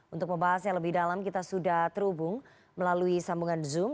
untuk membahas yang lebih dalam kita sudah terhubung melalui sambungan zoom